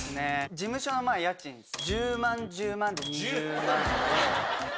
事務所の家賃です。